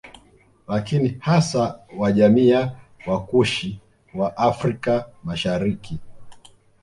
Lakini hasa wa jamii ya Wakushi wa Afrika Mashariki